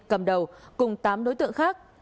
cầm đầu cùng tám đối tượng khác